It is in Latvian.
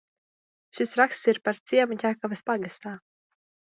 Šis raksts ir par ciemu Ķekavas pagastā.